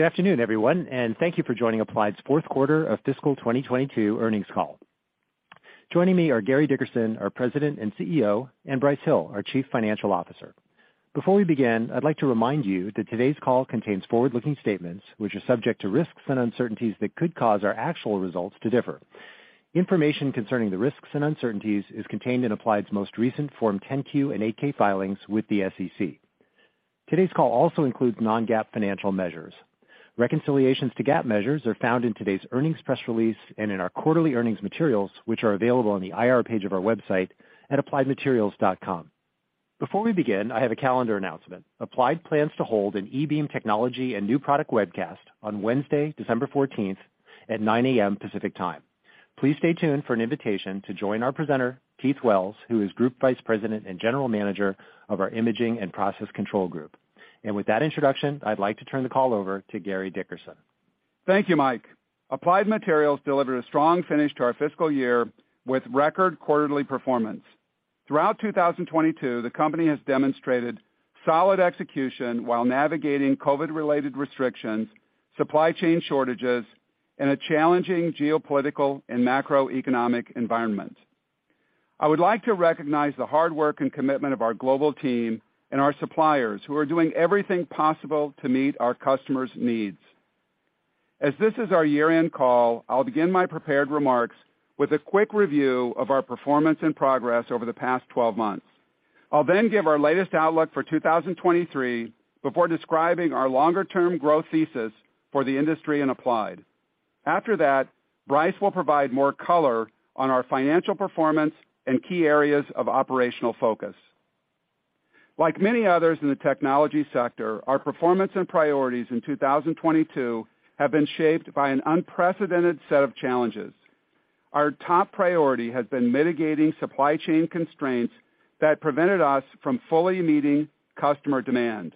Good afternoon, everyone, and thank you for joining Applied's fourth quarter of fiscal 2022 earnings call. Joining me are Gary Dickerson, our President and CEO, and Brice Hill, our Chief Financial Officer. Before we begin, I'd like to remind you that today's call contains forward-looking statements which are subject to risks and uncertainties that could cause our actual results to differ. Information concerning the risks and uncertainties is contained in Applied's most recent Form 10-Q and 8-K filings with the SEC. Today's call also includes non-GAAP financial measures. Reconciliations to GAAP measures are found in today's earnings press release and in our quarterly earnings materials, which are available on the I.R. page of our website at appliedmaterials.com. Before we begin, I have a calendar announcement. Applied plans to hold an eBeam technology and new product webcast on Wednesday, December 14th at 9:00 A.M. Pacific Time. Please stay tuned for an invitation to join our presenter, Keith Wells, who is Group Vice President and General Manager of our Imaging and Process Control Group. With that introduction, I'd like to turn the call over to Gary Dickerson. Thank you, Mike. Applied Materials delivered a strong finish to our fiscal year with record quarterly performance. Throughout two thousand twenty-two, the company has demonstrated solid execution while navigating COVID-related restrictions, supply chain shortages, and a challenging geopolitical and macroeconomic environment. I would like to recognize the hard work and commitment of our global team and our suppliers who are doing everything possible to meet our customers' needs. As this is our year-end call, I'll begin my prepared remarks with a quick review of our performance and progress over the past twelve months. I'll then give our latest outlook for two thousand twenty-three before describing our longer-term growth thesis for the industry and Applied. After that, Brice will provide more color on our financial performance and key areas of operational focus. Like many others in the technology sector, our performance and priorities in 2022 have been shaped by an unprecedented set of challenges. Our top priority has been mitigating supply chain constraints that prevented us from fully meeting customer demand.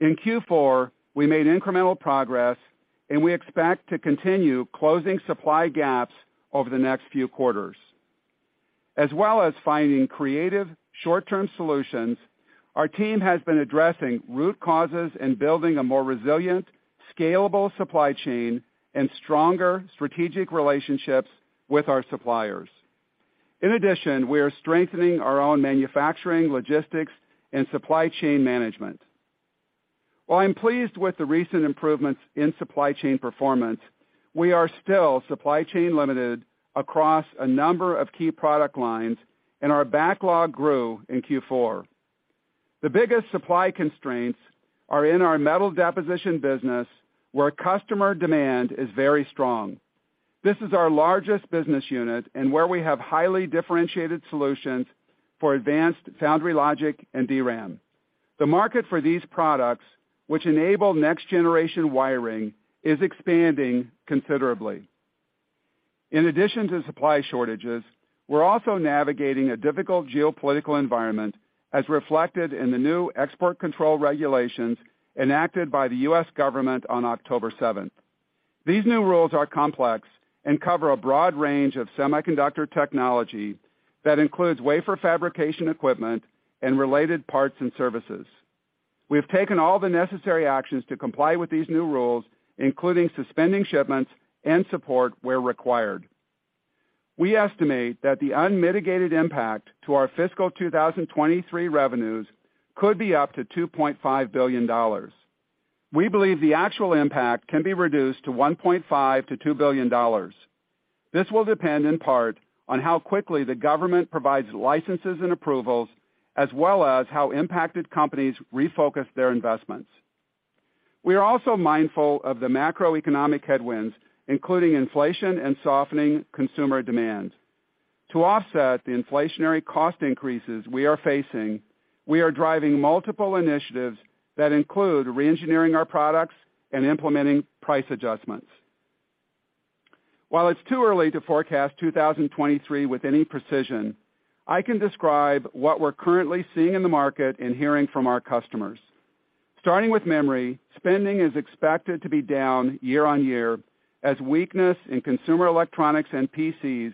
In Q4, we made incremental progress, and we expect to continue closing supply gaps over the next few quarters. As well as finding creative short-term solutions, our team has been addressing root causes and building a more resilient, scalable supply chain and stronger strategic relationships with our suppliers. In addition, we are strengthening our own manufacturing, logistics, and supply chain management. While I'm pleased with the recent improvements in supply chain performance, we are still supply chain limited across a number of key product lines, and our backlog grew in Q4. The biggest supply constraints are in our Metal Deposition business where customer demand is very strong. This is our largest business unit and where we have highly differentiated solutions for advanced foundry logic and DRAM. The market for these products, which enable next-generation wiring, is expanding considerably. In addition to supply shortages, we're also navigating a difficult geopolitical environment as reflected in the new export control regulations enacted by the U.S. government on October 7th. These new rules are complex and cover a broad range of semiconductor technology that includes wafer fabrication equipment and related parts and services. We have taken all the necessary actions to comply with these new rules, including suspending shipments and support where required. We estimate that the unmitigated impact to our fiscal 2023 revenues could be up to $2.5 billion. We believe the actual impact can be reduced to $1.5 billion-$2 billion. This will depend in part on how quickly the government provides licenses and approvals, as well as how impacted companies refocus their investments. We are also mindful of the macroeconomic headwinds, including inflation and softening consumer demand. To offset the inflationary cost increases we are facing, we are driving multiple initiatives that include re-engineering our products and implementing price adjustments. While it's too early to forecast 2023 with any precision, I can describe what we're currently seeing in the market and hearing from our customers. Starting with memory, spending is expected to be down year-on-year, as weakness in consumer electronics and P.C.s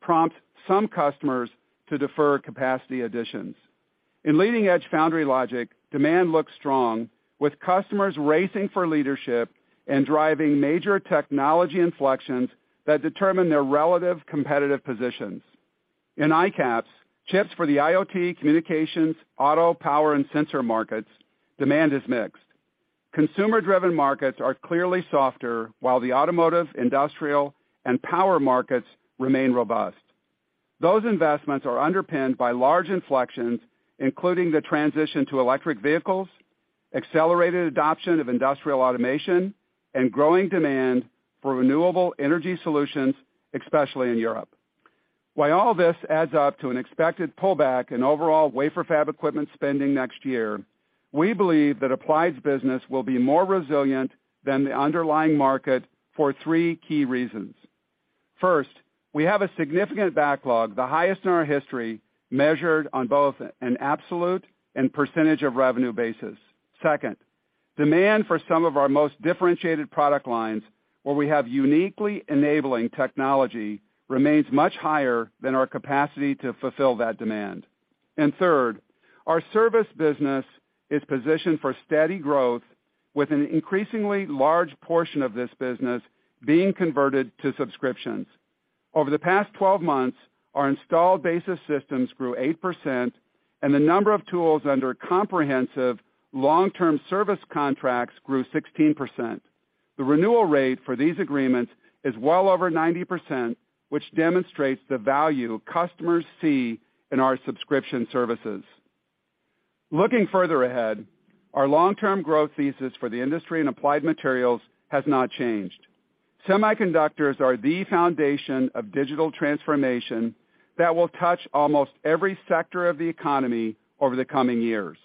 prompt some customers to defer capacity additions. In leading-edge foundry logic, demand looks strong, with customers racing for leadership and driving major technology inflections that determine their relative competitive positions. In ICAPS, chips for the IoT, communications, auto, power, and sensor markets, demand is mixed. Consumer-driven markets are clearly softer, while the automotive, industrial, and power markets remain robust. Those investments are underpinned by large inflections, including the transition to electric vehicles, accelerated adoption of industrial automation, and growing demand for renewable energy solutions, especially in Europe. While all this adds up to an expected pullback in overall wafer fab equipment spending next year, we believe that Applied's business will be more resilient than the underlying market for three key reasons. First, we have a significant backlog, the highest in our history, measured on both an absolute and percentage of revenue basis. Second, demand for some of our most differentiated product lines, where we have uniquely enabling technology, remains much higher than our capacity to fulfill that demand. Third, our service business is positioned for steady growth with an increasingly large portion of this business being converted to subscriptions. Over the past 12 months, our installed base of systems grew 8%, and the number of tools under comprehensive long-term service contracts grew 16%. The renewal rate for these agreements is well over 90%, which demonstrates the value customers see in our subscription services. Looking further ahead, our long-term growth thesis for the industry and Applied Materials has not changed. Semiconductors are the foundation of digital transformation that will touch almost every sector of the economy over the coming years.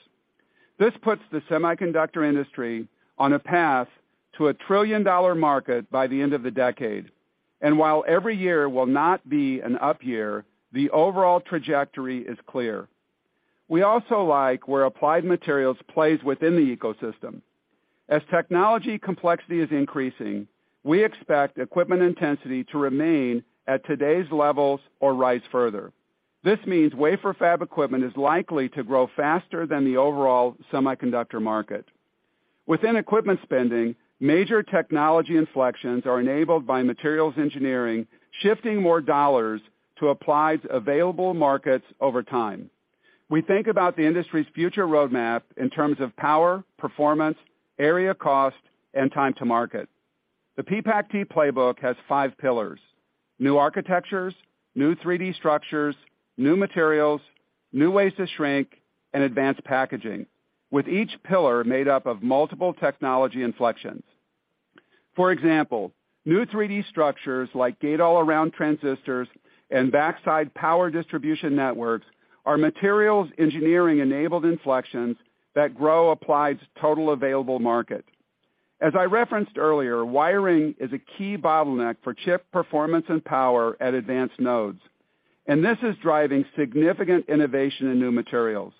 This puts the semiconductor industry on a path to a trillion-dollar market by the end of the decade. While every year will not be an up year, the overall trajectory is clear. We also like where Applied Materials plays within the ecosystem. As technology complexity is increasing, we expect equipment intensity to remain at today's levels or rise further. This means wafer fab equipment is likely to grow faster than the overall semiconductor market. Within equipment spending, major technology inflections are enabled by materials engineering, shifting more dollars to Applied's available markets over time. We think about the industry's future roadmap in terms of power, performance, area, cost, and time to market. The PPACt playbook has five pillars, new architectures, new 3D structures, new materials, new ways to shrink, and advanced packaging, with each pillar made up of multiple technology inflections. For example, new 3D structures like Gate-All-Around transistors and Backside Power Distribution Networks are materials engineering-enabled inflections that grow Applied's total available market. As I referenced earlier, wiring is a key bottleneck for chip performance and power at advanced nodes, and this is driving significant innovation in new materials.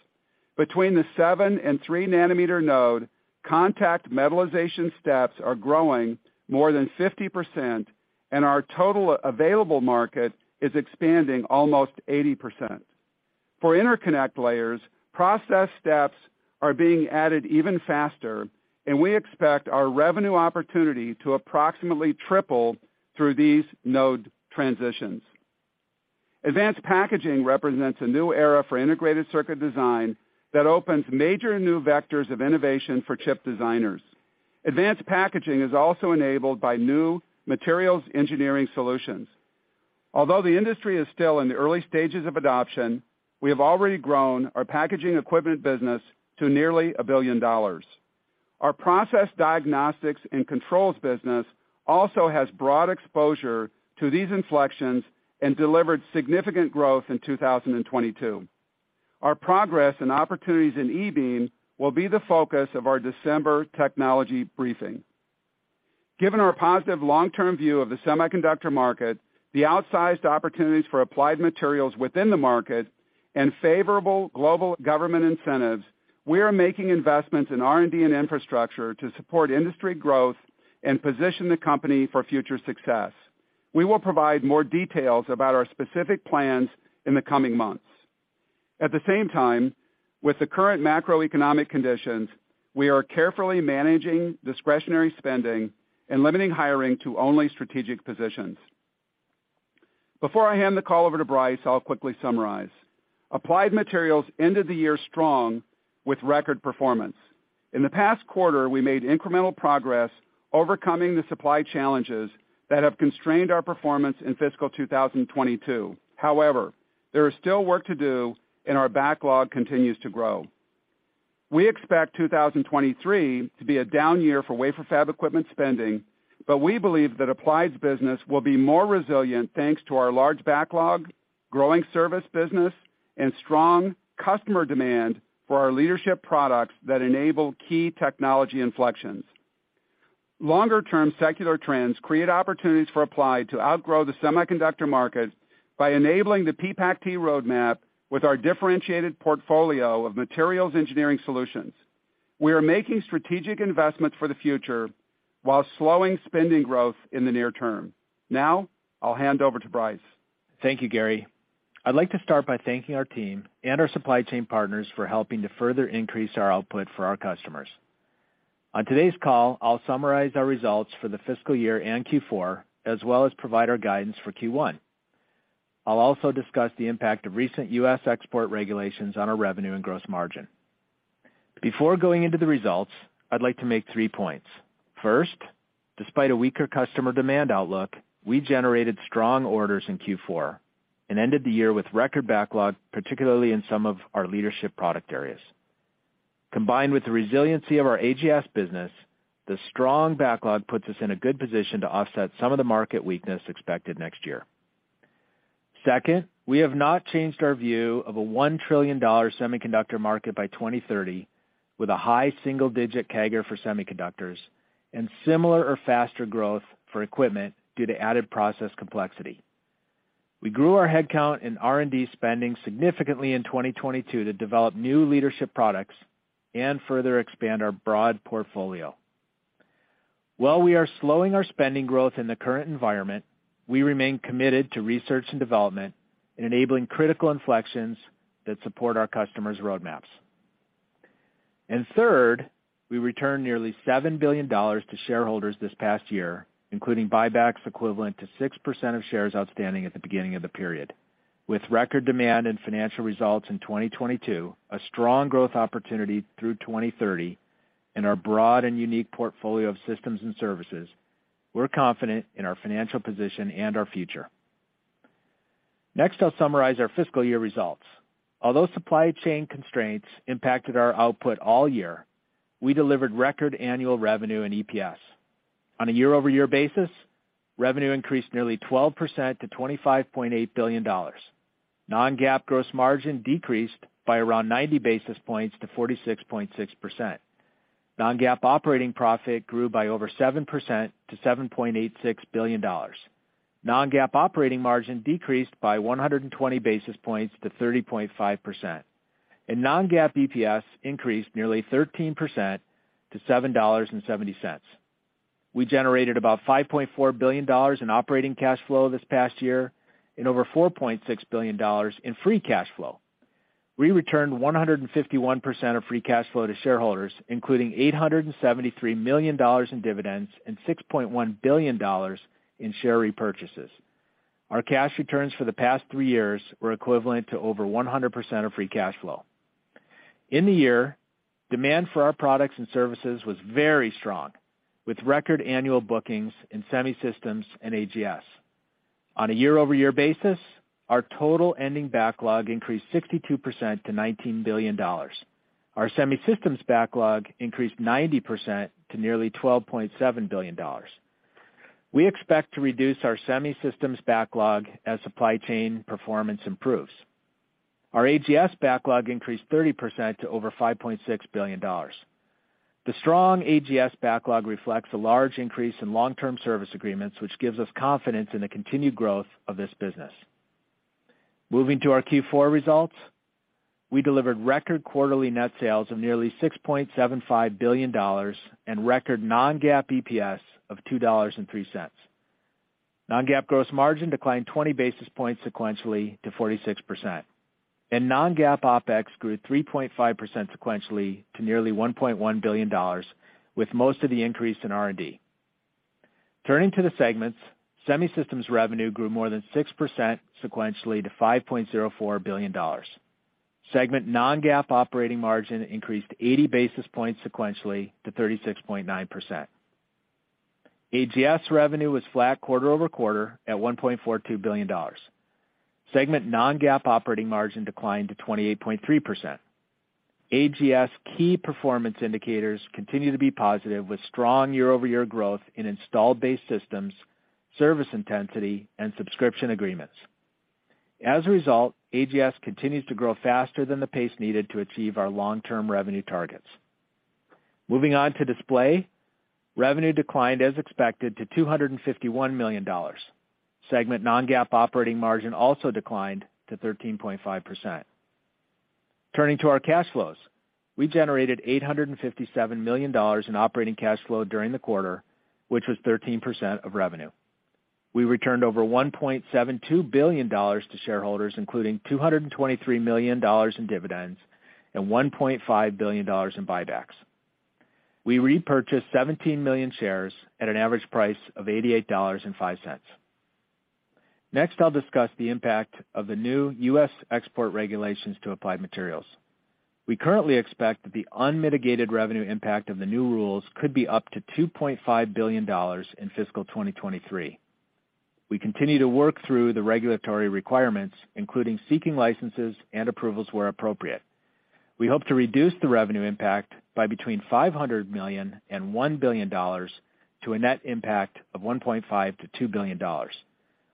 Between the seven and three-nanometer node, contact metallization steps are growing more than 50%, and our total available market is expanding almost 80%. For interconnect layers, process steps are being added even faster, and we expect our revenue opportunity to approximately triple through these node transitions. Advanced packaging represents a new era for integrated circuit design that opens major new vectors of innovation for chip designers. Advanced packaging is also enabled by new materials engineering solutions. Although the industry is still in the early stages of adoption, we have already grown our packaging equipment business to nearly a billion dollars. Our Process Diagnostics and Controls business also has broad exposure to these inflections and delivered significant growth in 2022. Our progress and opportunities in eBeam will be the focus of our December technology briefing. Given our positive long-term view of the semiconductor market, the outsized opportunities for Applied Materials within the market, and favorable global government incentives, we are making investments in R&D and infrastructure to support industry growth and position the company for future success. We will provide more details about our specific plans in the coming months. At the same time, with the current macroeconomic conditions, we are carefully managing discretionary spending and limiting hiring to only strategic positions. Before I hand the call over to Brice, I'll quickly summarize. Applied Materials ended the year strong with record performance. In the past quarter, we made incremental progress overcoming the supply challenges that have constrained our performance in fiscal 2022. However, there is still work to do, and our backlog continues to grow. We expect 2023 to be a down year for wafer fab equipment spending, but we believe that Applied's business will be more resilient, thanks to our large backlog, growing service business, and strong customer demand for our leadership products that enable key technology inflections. Longer-term secular trends create opportunities for Applied to outgrow the semiconductor market by enabling the PPACt roadmap with our differentiated portfolio of materials engineering solutions. We are making strategic investments for the future while slowing spending growth in the near term. Now, I'll hand over to Brice. Thank you, Gary. I'd like to start by thanking our team and our supply chain partners for helping to further increase our output for our customers. On today's call, I'll summarize our results for the fiscal year and Q4, as well as provide our guidance for Q1. I'll also discuss the impact of recent U.S. export regulations on our revenue and gross margin. Before going into the results, I'd like to make three points. First, despite a weaker customer demand outlook, we generated strong orders in Q4 and ended the year with record backlog, particularly in some of our leadership product areas. Combined with the resiliency of our AGS business, the strong backlog puts us in a good position to offset some of the market weakness expected next year. Second, we have not changed our view of a $1 trillion semiconductor market by 2030, with a high single-digit CAGR for semiconductors and similar or faster growth for equipment due to added process complexity. We grew our headcount and R&D spending significantly in 2022 to develop new leadership products and further expand our broad portfolio. While we are slowing our spending growth in the current environment, we remain committed to research and development in enabling critical inflections that support our customers' roadmaps. Third, we returned nearly $7 billion to shareholders this past year, including buybacks equivalent to 6% of shares outstanding at the beginning of the period. With record demand and financial results in 2022, a strong growth opportunity through 2030, and our broad and unique portfolio of systems and services, we're confident in our financial position and our future. Next, I'll summarize our fiscal year results. Although supply chain constraints impacted our output all year, we delivered record annual revenue and EPS. On a year-over-year basis, revenue increased nearly 12% to $25.8 billion. Non-GAAP gross margin decreased by around 90 basis points to 46.6%. Non-GAAP operating profit grew by over 7% to $7.86 billion. Non-GAAP operating margin decreased by 120 basis points to 30.5%. Non-GAAP EPS increased nearly 13% to $7.70. We generated about $5.4 billion in operating cash flow this past year and over $4.6 billion in free cash flow. We returned 151% of free cash flow to shareholders, including $873 million in dividends and $6.1 billion in share repurchases. Our cash returns for the past three years were equivalent to over 100% of free cash flow. In the year, demand for our products and services was very strong, with record annual bookings in Semiconductor Systems and AGS. On a year-over-year basis, our total ending backlog increased 62% to $19 billion. Our Semiconductor Systems backlog increased 90% to nearly $12.7 billion. We expect to reduce our Semiconductor Systems backlog as supply chain performance improves. Our AGS backlog increased 30% to over $5.6 billion. The strong AGS backlog reflects a large increase in long-term service agreements, which gives us confidence in the continued growth of this business. Moving to our Q4 results, we delivered record quarterly net sales of nearly $6.75 billion and record non-GAAP EPS of $2.03. Non-GAAP gross margin declined 20 basis points sequentially to 46%. Non-GAAP OpEx grew 3.5% sequentially to nearly $1.1 billion, with most of the increase in R&D. Turning to the segments, Semiconductor Systems revenue grew more than 6% sequentially to $5.04 billion. Segment non-GAAP operating margin increased 80 basis points sequentially to 36.9%. AGS revenue was flat quarter-over-quarter at $1.42 billion. Segment non-GAAP operating margin declined to 28.3%. AGS key performance indicators continue to be positive, with strong year-over-year growth in installed base systems, service intensity, and subscription agreements. As a result, AGS continues to grow faster than the pace needed to achieve our long-term revenue targets. Moving on to display, revenue declined as expected to $251 million. Segment non-GAAP operating margin also declined to 13.5%. Turning to our cash flows, we generated $857 million in operating cash flow during the quarter, which was 13% of revenue. We returned over $1.72 billion to shareholders, including $223 million in dividends and $1.5 billion in buybacks. We repurchased 17 million shares at an average price of $88.05. Next, I'll discuss the impact of the new U.S. export regulations to Applied Materials. We currently expect that the unmitigated revenue impact of the new rules could be up to $2.5 billion in fiscal 2023. We continue to work through the regulatory requirements, including seeking licenses and approvals where appropriate. We hope to reduce the revenue impact by between $500 million and $1 billion to a net impact of $1.5 billion-$2 billion.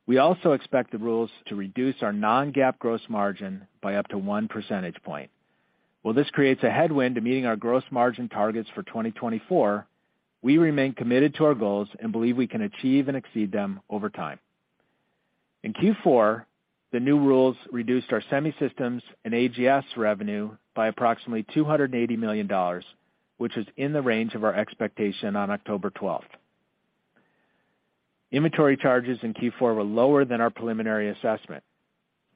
We also expect the rules to reduce our non-GAAP gross margin by up to one percentage point. While this creates a headwind to meeting our gross margin targets for 2024, we remain committed to our goals and believe we can achieve and exceed them over time. In Q4, the new rules reduced our Semiconductor Systems and AGS revenue by approximately $280 million, which is in the range of our expectation on October 12th. Inventory charges in Q4 were lower than our preliminary assessment.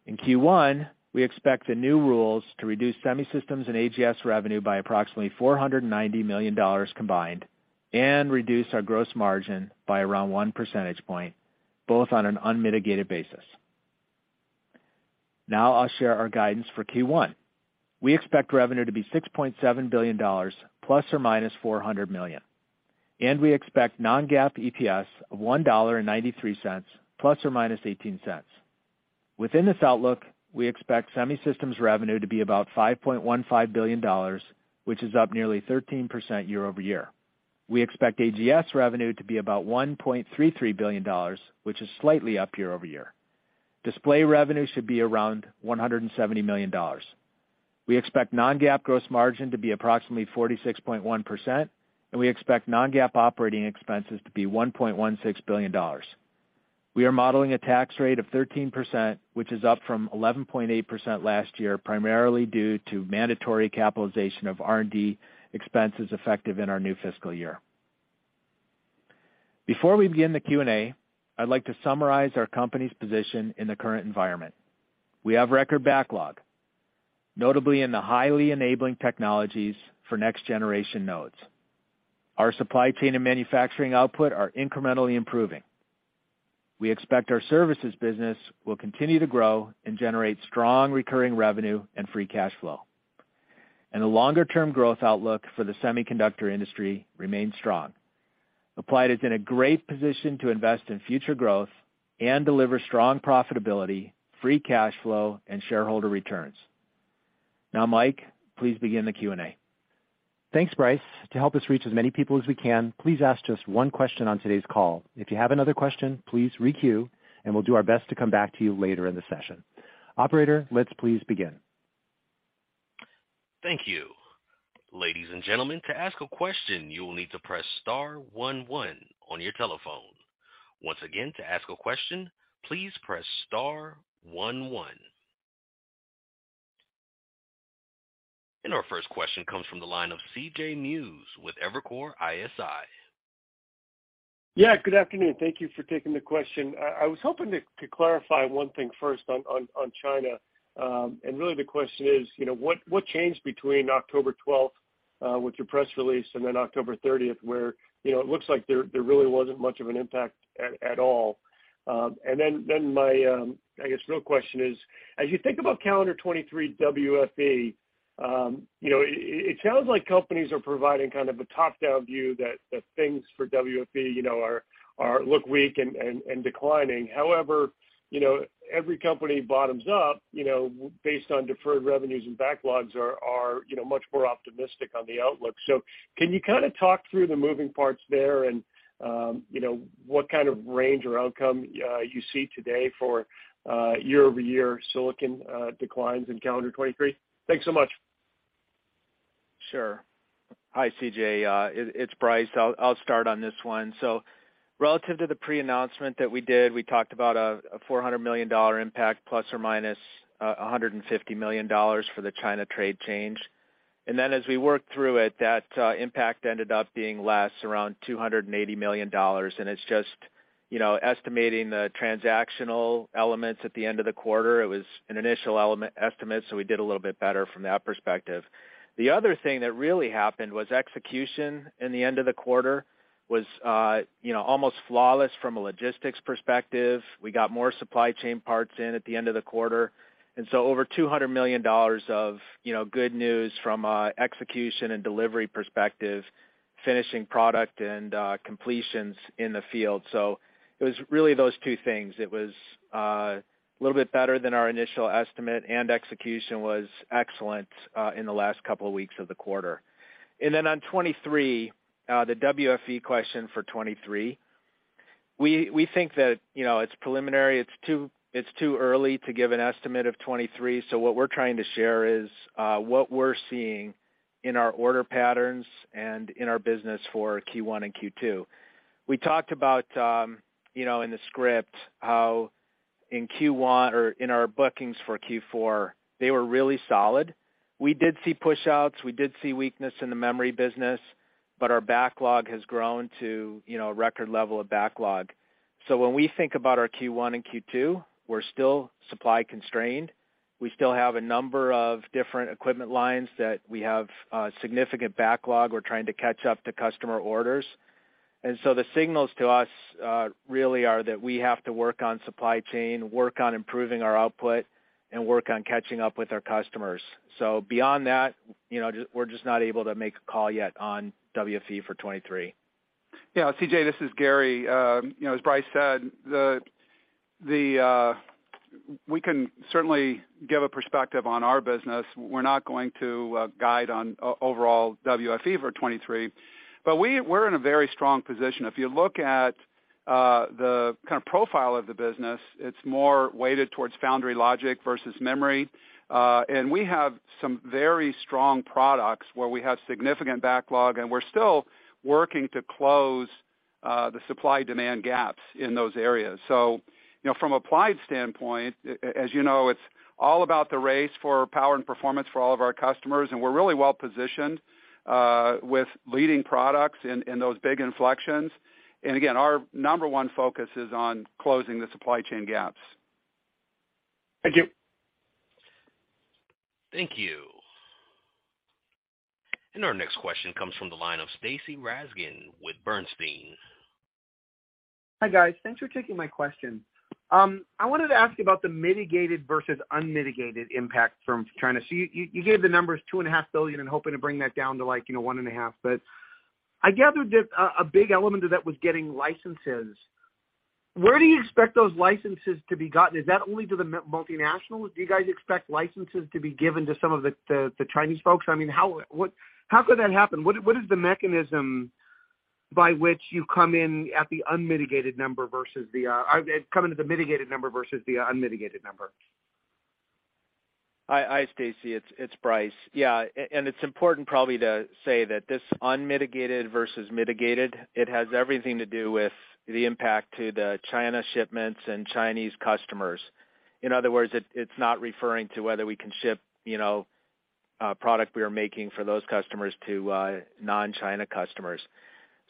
In Q1, we expect the new rules to reduce Semiconductor Systems and AGS revenue by approximately $490 million combined and reduce our gross margin by around one percentage point, both on an unmitigated basis. Now I'll share our guidance for Q1. We expect revenue to be $6.7 billion, ±$400 million, and we expect non-GAAP EPS of $1.93, ±$0.18. Within this outlook, we expect Semiconductor Systems revenue to be about $5.15 billion, which is up nearly 13% year-over-year. We expect AGS revenue to be about $1.33 billion, which is slightly up year-over-year. Display revenue should be around $170 million. We expect non-GAAP gross margin to be approximately 46.1%, and we expect non-GAAP operating expenses to be $1.16 billion. We are modeling a tax rate of 13%, which is up from 11.8% last year, primarily due to mandatory capitalization of R&D expenses effective in our new fiscal year. Before we begin the Q&A, I'd like to summarize our company's position in the current environment. We have record backlog, notably in the highly enabling technologies for next-generation nodes. Our supply chain and manufacturing output are incrementally improving. We expect our services business will continue to grow and generate strong recurring revenue and free cash flow. The longer-term growth outlook for the semiconductor industry remains strong. Applied is in a great position to invest in future growth and deliver strong profitability, free cash flow, and shareholder returns. Now, Mike, please begin the Q&A. Thanks, Brice. To help us reach as many people as we can, please ask just one question on today's call. If you have another question, please re-queue, and we'll do our best to come back to you later in the session. Operator, let's please begin. Thank you. Ladies and gentlemen, to ask a question, you will need to press star one one on your telephone. Once again, to ask a question, please press star one one. Our first question comes from the line of C.J. Muse with Evercore ISI. Yeah, good afternoon. Thank you for taking the question. I was hoping to clarify one thing first on China. Really the question is, you know, what changed between October 12th with your press release and October 30th, where, you know, it looks like there really wasn't much of an impact at all. Then my, I guess, real question is, as you think about calendar 2023 WFE, you know, it sounds like companies are providing kind of a top-down view that things for WFE, you know, look weak and declining. However, you know, every company bottoms up, you know, based on deferred revenues and backlogs are, you know, much more optimistic on the outlook. Can you kind of talk through the moving parts there and, you know, what kind of range or outcome you see today for year-over-year silicon declines in calendar 2023? Thanks so much. Sure. Hi, C.J., it's Brice. I'll start on this one. Relative to the pre-announcement that we did, we talked about a $400 million impact, ±$150 million for the China trade change. As we worked through it, that impact ended up being less, around $280 million. It's just, you know, estimating the transactional elements at the end of the quarter. It was an initial estimate, so we did a little bit better from that perspective. The other thing that really happened was execution in the end of the quarter was, you know, almost flawless from a logistics perspective. We got more supply chain parts in at the end of the quarter. Over $200 million of, you know, good news from execution and delivery perspective, finishing product and completions in the field. It was really those two things. It was a little bit better than our initial estimate, and execution was excellent in the last couple of weeks of the quarter. On 2023, the WFE question for 2023, we think that, you know, it's preliminary. It's too early to give an estimate of 2023, so what we're trying to share is what we're seeing in our order patterns and in our business for Q1 and Q2. We talked about, you know, in the script how in Q1 or in our bookings for Q4, they were really solid. We did see pushouts, we did see weakness in the memory business, but our backlog has grown to, you know, a record level of backlog. When we think about our Q1 and Q2, we're still supply constrained. We still have a number of different equipment lines that we have significant backlog. We're trying to catch up to customer orders. The signals to us really are that we have to work on supply chain, work on improving our output, and work on catching up with our customers. Beyond that, you know, we're just not able to make a call yet on WFE for 2023. Yeah, C.J., this is Gary. You know, as Brice said, we can certainly give a perspective on our business. We're not going to guide on overall WFE for 2023, but we're in a very strong position. If you look at the kind of profile of the business, it's more weighted towards foundry logic versus memory. We have some very strong products where we have significant backlog, and we're still working to close the supply-demand gaps in those areas. You know, from Applied's standpoint, as you know, it's all about the race for power and performance for all of our customers, and we're really well-positioned with leading products in those big inflections. Again, our number one focus is on closing the supply chain gaps. Thank you. Thank you. Our next question comes from the line of Stacy Rasgon with Bernstein. Hi, guys. Thanks for taking my question. I wanted to ask about the mitigated versus unmitigated impact from China. You gave the numbers $2.5 billion and hoping to bring that down to like, you know, $1.5 billion. I gathered that a big element of that was getting licenses. Where do you expect those licenses to be gotten? Is that only to the multinationals? Do you guys expect licenses to be given to some of the Chinese folks? I mean, how could that happen? What is the mechanism by which you come into the mitigated number versus the unmitigated number? Hi, Stacy. It's Brice. Yeah, it's important probably to say that this unmitigated versus mitigated, it has everything to do with the impact to the China shipments and Chinese customers. In other words, it's not referring to whether we can ship, you know, product we are making for those customers to non-China customers.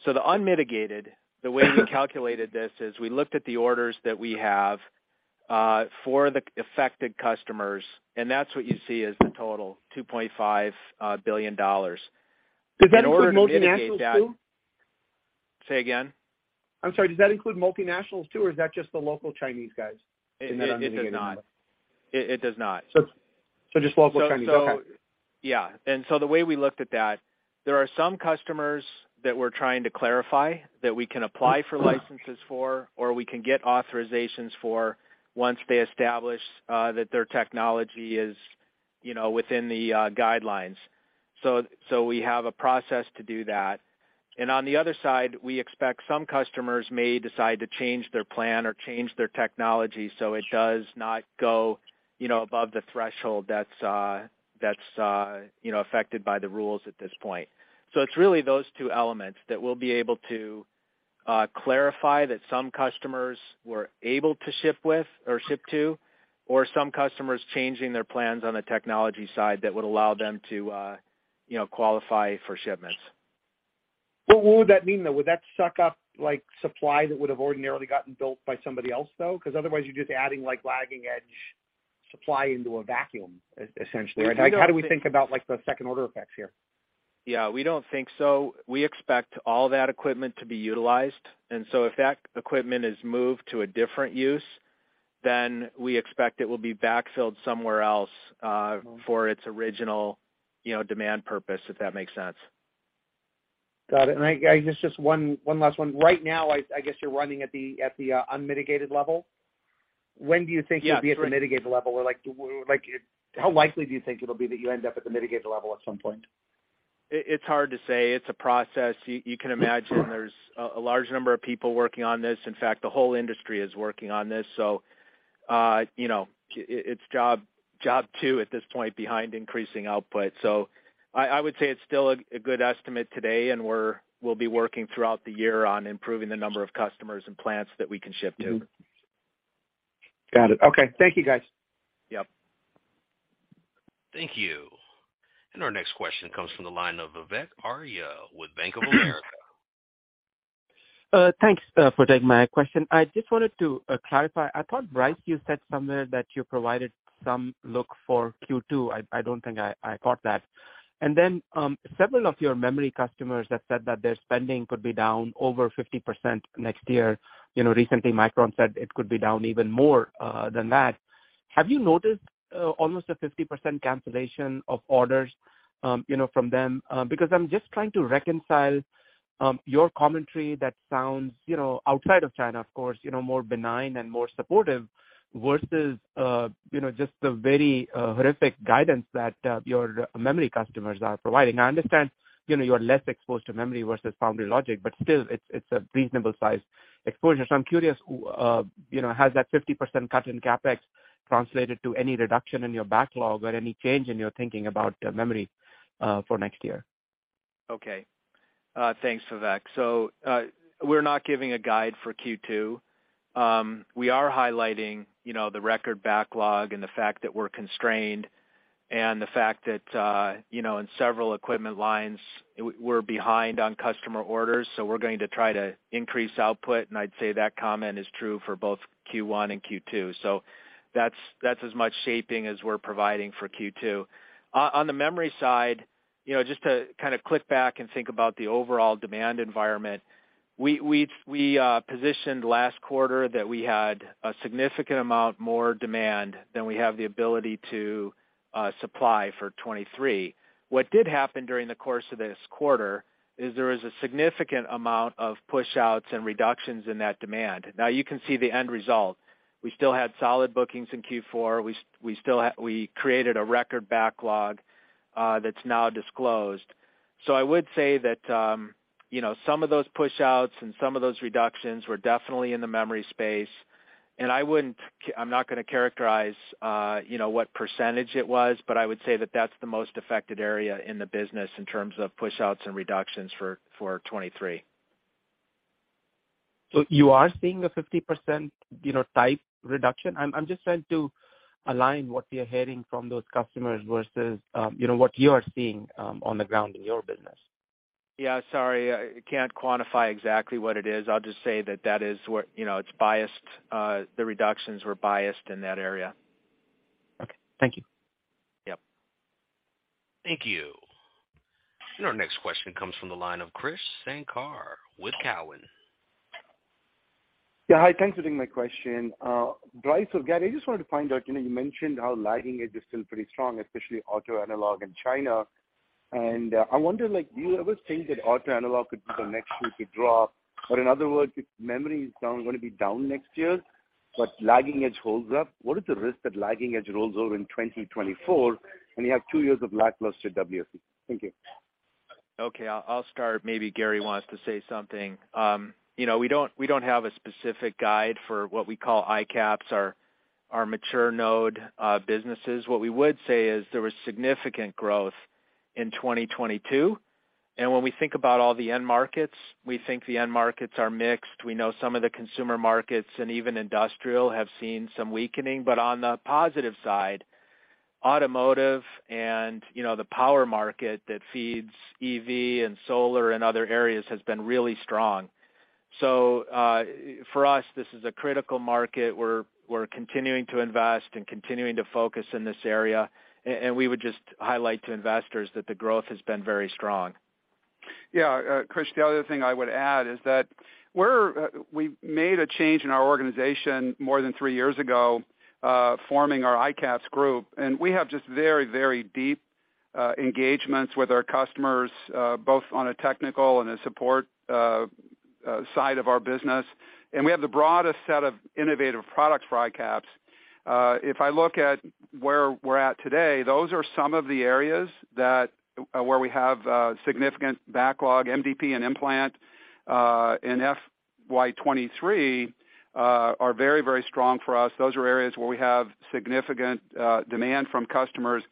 The unmitigated, the way we calculated this is we looked at the orders that we have for the affected customers, and that's what you see as the total $2.5 billion. In order to mitigate that. Does that include multinationals too? Say again? I'm sorry, does that include multinationals too, or is that just the local Chinese guys in that unmitigated number? It does not. It does not. Just local Chinese, okay. Yeah. The way we looked at that, there are some customers that we're trying to clarify that we can apply for licenses for, or we can get authorizations for once they establish that their technology is, you know, within the guidelines. We have a process to do that. On the other side, we expect some customers may decide to change their plan or change their technology, so it does not go, you know, above the threshold that's, you know, affected by the rules at this point. It's really those two elements that we'll be able to clarify that some customers we're able to ship with or ship to, or some customers changing their plans on the technology side that would allow them to, you know, qualify for shipments. What would that mean, though? Would that suck up like supply that would have ordinarily gotten built by somebody else, though? 'Cause otherwise you're just adding like lagging edge supply into a vacuum essentially. Like, how do we think about like the second order effects here? Yeah, we don't think so. We expect all that equipment to be utilized, and so if that equipment is moved to a different use, then we expect it will be backfilled somewhere else for its original, you know, demand purpose, if that makes sense. Got it. Just one last one. Right now, I guess you're running at the unmitigated level. When do you think? Yeah. You'll be at the mitigated level? Like, how likely do you think it'll be that you end up at the mitigated level at some point? It's hard to say. It's a process. You can imagine there's a large number of people working on this. In fact, the whole industry is working on this. You know, it's job two at this point behind increasing output. I would say it's still a good estimate today, and we'll be working throughout the year on improving the number of customers and plants that we can ship to. Mm-hmm. Got it. Okay. Thank you, guys. Yep. Thank you. Our next question comes from the line of Vivek Arya with Bank of America. Thanks for taking my question. I just wanted to clarify. I thought, Brice, you said somewhere that you provided some look for Q2. I don't think I caught that. Several of your memory customers have said that their spending could be down over 50% next year. You know, recently, Micron said it could be down even more than that. Have you noticed almost a 50% cancellation of orders, you know, from them? Because I'm just trying to reconcile your commentary that sounds, you know, outside of China, of course, you know, more benign and more supportive versus, you know, just the very horrific guidance that your memory customers are providing. I understand, you know, you're less exposed to memory versus foundry logic, but still, it's a reasonable-sized exposure. I'm curious, you know, has that 50% cut in CapEx translated to any reduction in your backlog or any change in your thinking about memory for next year? Okay. Thanks, Vivek. We're not giving a guide for Q2. We are highlighting, you know, the record backlog and the fact that we're constrained and the fact that, you know, in several equipment lines we're behind on customer orders, so we're going to try to increase output. I'd say that comment is true for both Q1 and Q2. That's as much shaping as we're providing for Q2. On the memory side, you know, just to kind of click back and think about the overall demand environment, we positioned last quarter that we had a significant amount more demand than we have the ability to supply for 2023. What did happen during the course of this quarter is there was a significant amount of push-outs and reductions in that demand. Now, you can see the end result. We still had solid bookings in Q4. We created a record backlog that's now disclosed. I would say that, you know, some of those push-outs and some of those reductions were definitely in the memory space. I'm not gonna characterize, you know, what % it was, but I would say that that's the most affected area in the business in terms of push-outs and reductions for 2023. You are seeing a 50%, you know, type reduction? I'm just trying to align what we are hearing from those customers versus, you know, what you are seeing on the ground in your business. Yeah, sorry. I can't quantify exactly what it is. I'll just say, you know, it's biased. The reductions were biased in that area. Okay. Thank you. Yep. Thank you. Our next question comes from the line of Krish Sankar with Cowen. Yeah, hi. Thanks for taking my question. Brice or Gary, I just wanted to find out, you know, you mentioned how lagging edge is still pretty strong, especially auto analog in China. I wonder like, do you ever think that auto analog could be the next shoe to drop? In other words, if memory is down, gonna be down next year, but lagging edge holds up, what is the risk that lagging edge rolls over in 2024, and you have two years of lackluster WFE? Thank you. Okay, I'll start. Maybe Gary wants to say something. You know, we don't have a specific guide for what we call ICAPS, our mature node businesses. What we would say is there was significant growth in 2022, and when we think about all the end markets, we think the end markets are mixed. We know some of the consumer markets and even industrial have seen some weakening. On the positive side, automotive and, you know, the power market that feeds EV and solar and other areas has been really strong. For us, this is a critical market. We're continuing to invest and continuing to focus in this area. We would just highlight to investors that the growth has been very strong. Yeah, Krish, the other thing I would add is that we made a change in our organization more than three years ago forming our ICAPS group, and we have just very deep engagements with our customers both on a technical and a support side of our business. We have the broadest set of innovative products for ICAPS. If I look at where we're at today, those are some of the areas where we have significant backlog. MDP and implant in F.Y. 2023 are very strong for us. Those are areas where we have significant demand from customers.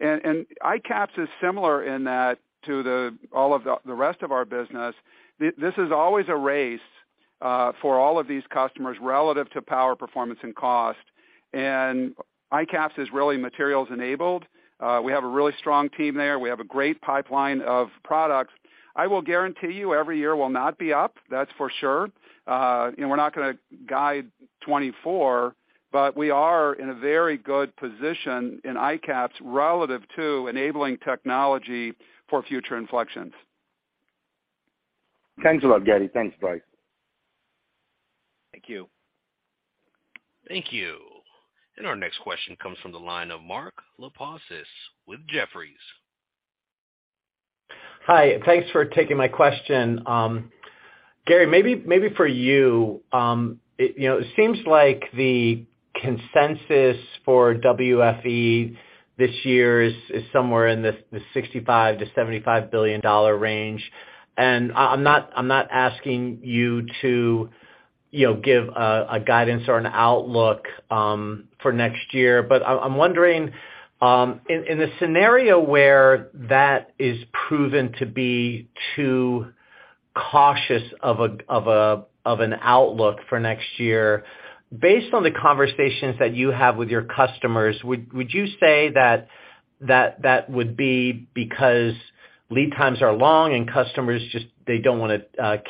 ICAPS is similar in that to all of the rest of our business. This is always a race for all of these customers relative to power, performance, and cost. ICAPS is really materials enabled. We have a really strong team there. We have a great pipeline of products. I will guarantee you every year will not be up, that's for sure. We're not gonna guide 2024, but we are in a very good position in ICAPS relative to enabling technology for future inflections. Thanks a lot, Gary. Thanks, guys. Thank you. Thank you. Our next question comes from the line of Mark Lipacis with Jefferies. Hi. Thanks for taking my question. Gary, maybe for you know, it seems like the consensus for WFE this year is somewhere in the $65 billion-$75 billion range. I'm not asking you to, you know, give a guidance or an outlook for next year, but I'm wondering in a scenario where that is proven to be too cautious of an outlook for next year, based on the conversations that you have with your customers, would you say that would be because lead times are long and customers just they don't wanna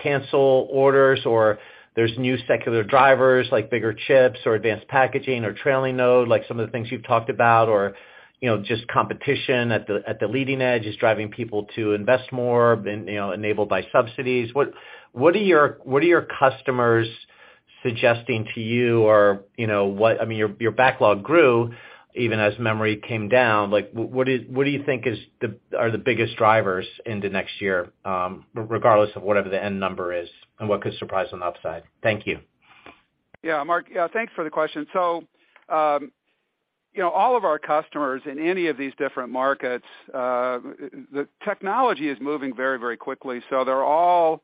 cancel orders or there's new secular drivers like bigger chips or advanced packaging or trailing node, like some of the things you've talked about, or, you know, just competition at the leading edge is driving people to invest more and, you know, enabled by subsidies? What are your customers suggesting to you or, you know, I mean, your backlog grew even as memory came down? Like, what do you think are the biggest drivers into next year regardless of whatever the end number is and what could surprise on the upside? Thank you. Yeah, Mark, yeah, thanks for the question. You know, all of our customers in any of these different markets, the technology is moving very, very quickly, so they're all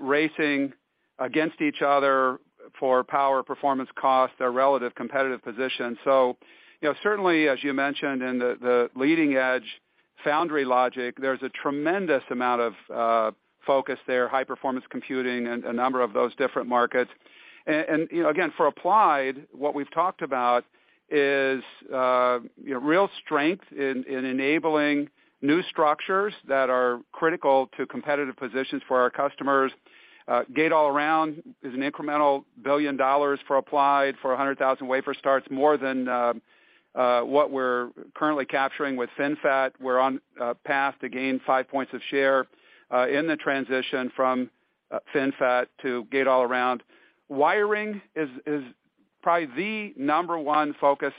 racing against each other for power, performance, cost, their relative competitive position. You know, certainly as you mentioned in the leading edge foundry logic, there's a tremendous amount of focus there, high performance computing and a number of those different markets. You know, again, for Applied, what we've talked about is, you know, real strength in enabling new structures that are critical to competitive positions for our customers. Gate-All-Around is an incremental $1 billion for Applied for a 100,000 wafer starts, more than what we're currently capturing with FinFET. We're on path to gain five points of share in the transition from FinFET to Gate-All-Around. Wiring is probably the number one focus.